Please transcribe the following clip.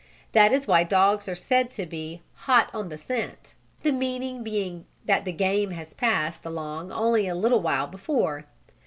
That is why dogs are said to be "hot on the scent," the meaning being that the game has passed along only a little while before.